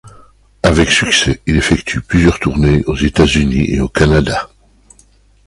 Avec succès, il effectue plusieurs tournées aux États-Unis et au Canada.